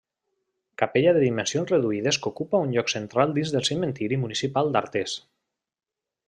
Capella de dimensions reduïdes que ocupa un lloc central dins del cementiri municipal d'Artés.